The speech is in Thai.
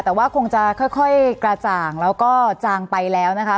แต่ว่าคงจะค่อยกระจ่างแล้วก็จางไปแล้วนะคะ